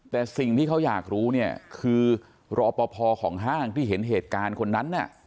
แต่สิ่งที่เขาอยากรู้คือรอประพอของห้างที่เห็นเหตุการณ์คนนั้น